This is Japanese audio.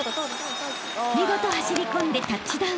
［見事走り込んで］